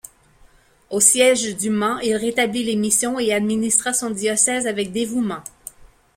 Au siège du Mans, il rétablit les missions et administra son diocèse avec dévouement.